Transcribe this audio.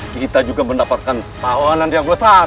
kita juga mendapatkan tahanan yang besar